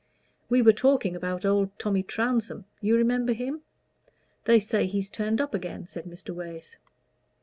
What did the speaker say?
"We were talking about old Tommy Trounsem; you remember him? They say he's turned up again," said Mr. Wace.